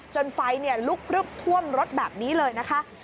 จนไฟล์เนี่ยลุกลึกท่วมรถแบบนี้เลยนะคะ